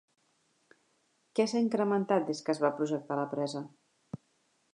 Què s'ha incrementat des que es va projectar la presa?